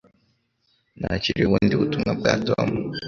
Nakiriye ubundi butumwa bwa Tom